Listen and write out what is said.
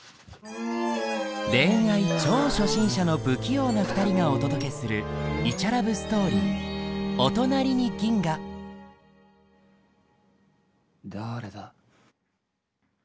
恋愛超初心者の不器用な２人がお届けするイチャラブストーリーだれだ？